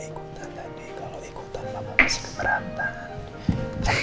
kalau ikutan papa masih keberatan